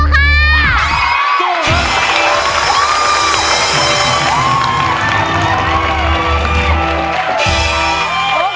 สู้ครับ